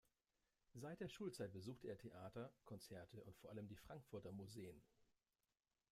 Seit der Schulzeit besuchte er Theater, Konzerte und vor allem die Frankfurter Museen.